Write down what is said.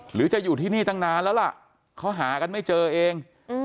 หรือจะอยู่ที่นี่ตั้งนานแล้วล่ะเขาหากันไม่เจอเอง